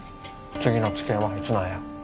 次の治験はいつなんや？